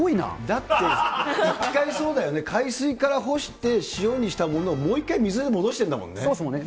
だって、一回、そうだよね、海水から干して、塩にしたものを、もう一回、そうですよね。